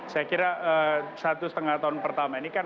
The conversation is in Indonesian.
saya kira satu setengah tahun pertama ini kan